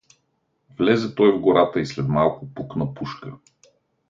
Влезе той в гората и след малко пукна пушка.